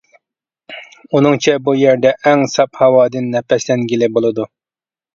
ئۇنىڭچە بۇ يەردە ئەڭ ساپ ھاۋادىن نەپەسلەنگىلى بولىدۇ.